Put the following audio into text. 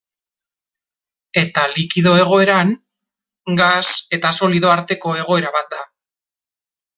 Eta, likido egoeran, gas eta solido arteko egoera bat da.